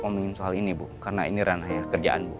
ngomongin soal ini bu karena ini ranahnya kerjaan bu